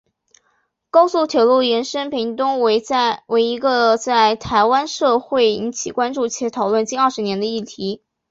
高速铁路延伸屏东为一个在台湾社会引起关注且讨论近二十年的议题。